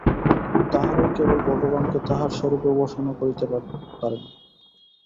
তাঁহারাই কেবল ভগবানকে তাঁহার স্বরূপে উপাসনা করিতে পারেন।